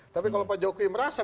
tapi kalau pak jokowi merasa